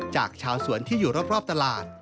จากชาวสวนที่อยู่รอบตลาด